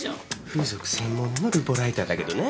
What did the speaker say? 風俗専門のルポライターだけどね。